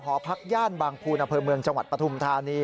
หอพักย่านบางภูนาภัยเมืองจังหวัดปฐุมธาณี